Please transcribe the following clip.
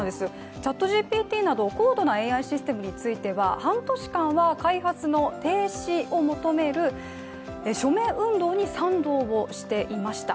ＣｈａｔＧＰＴなど高度なＡＩシステムについては半年間は開発の停止を求める署名運動に賛同をしていました。